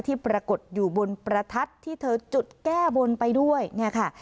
ปรากฏอยู่บนประทัดที่เธอจุดแก้บนไปด้วยเนี่ยค่ะ